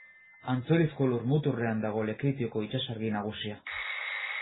Antzorizko lurmuturrean dago Lekeitioko itsasargi nagusia.